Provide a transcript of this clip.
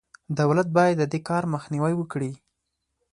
دولت باید د دې کار مخنیوی وکړي.